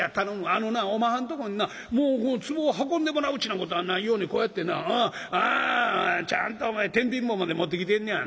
あのなおまはんとこになつぼを運んでもらうっちゅうなことはないようにこうやってなちゃんとお前てんびん棒まで持ってきてんのや。